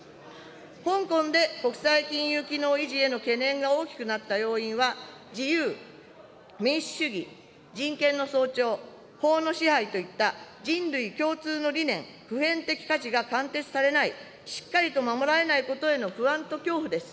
香港で国際金融機能維持への懸念が大きくなった要因は、自由、民主主義、人権の尊重、法の支配といった、人類共通の理念、普遍的価値が貫徹されない、しっかりと守られないことへの不安と恐怖です。